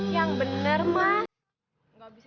yang bener mas